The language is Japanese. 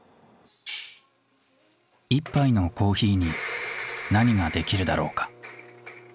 １杯のコーヒーに何ができるだろうか。